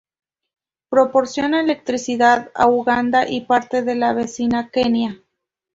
Proporciona electricidad a Uganda y parte de la vecina Kenia.